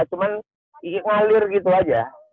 cuman ngalir gitu aja